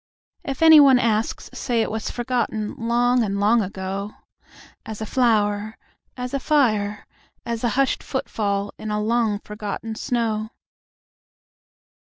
If anyone asks, say it was forgotten Long and long ago, As a flower, as a fire, as a hushed footfall In a long forgotten snow.